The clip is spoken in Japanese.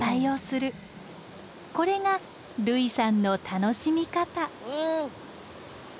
これが類さんの楽しみ方。